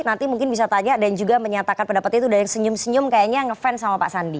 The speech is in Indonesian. nanti mungkin bisa tanya dan juga menyatakan pendapatnya itu udah yang senyum senyum kayaknya ngefans sama pak sandi